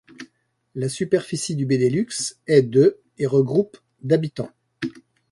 La superficie du Benelux est de et regroupe d’habitants.